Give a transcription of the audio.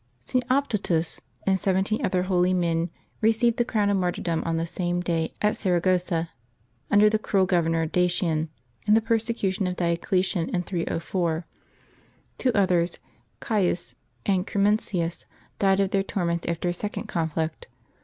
@T. Optatus and seventeen other holy men receired the crown of martyrdom on the same day, at Saragossa, under the cruel Governor Dacian, in the persecution of Diocletian, in 304. Two others, Gains and Crementius, died of their torments after a second conflict.